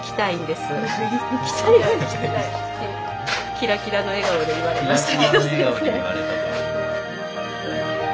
キラキラの笑顔で言われたけど。